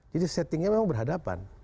jadi settingnya memang berhadapan